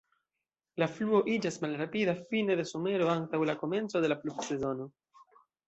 La fluo iĝas malrapida fine de somero antaŭ la komenco de la pluvsezono.